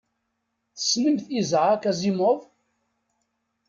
Tessnemt Isaac Asimov?